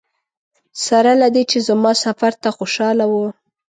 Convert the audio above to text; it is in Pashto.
سره له دې چې زما سفر ته خوشاله وه.